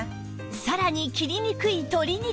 さらに切りにくい鶏肉も